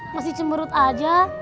masih cemerut aja